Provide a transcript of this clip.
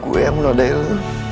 gue yang menodai lu